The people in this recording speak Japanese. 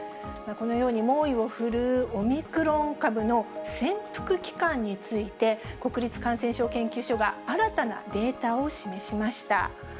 このように猛威を振るうオミクロン株の潜伏期間について、国立感染症研究所が新たなデータを示しました。